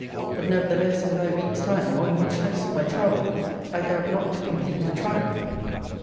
But nevertheless, in thy week's time, or in much less, my charmer, I doubt not to complete my triumph!